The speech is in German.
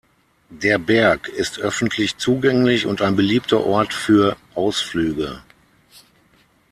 Der Berg ist öffentlich zugänglich und ein beliebter Ort für Ausflüge.